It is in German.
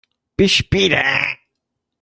Bis später!